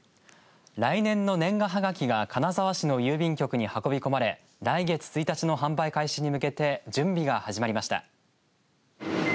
来年の年賀はがきが金沢市の郵便局に運び込まれ来月１日の販売開始に向けて準備が始まりました。